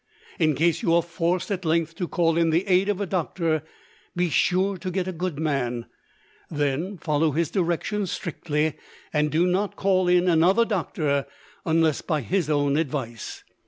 In case you are forced at length to call in the aid of a doctor, be sure to get a good man; then, follow his directions strictly, and do not call in another doctor, unless by his own advice.